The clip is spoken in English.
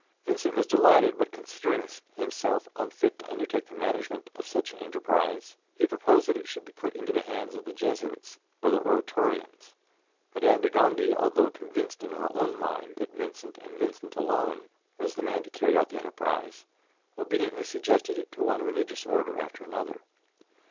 Vincent was delighted, but considering himself unfit to undertake the management of such an enterprise, he proposed that it should be put into the hands of the Jesuits or the Oratorians. Madame de Gondi, although convinced in her own mind that Vincent, and Vincent alone, was the man to carry out the enterprise, obediently suggested it to one religious Order after another.